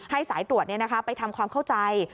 สายตรวจไปทำความเข้าใจ